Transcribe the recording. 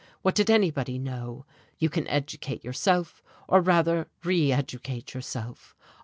what did anybody know? You can educate yourself or rather reeducate yourself.